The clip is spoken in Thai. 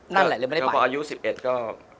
เพราะอายุ๑๑ก็